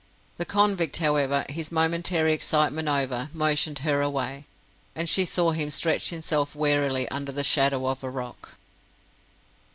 The convict, however, his momentary excitement over, motioned her away; and she saw him stretch himself wearily under the shadow of a rock.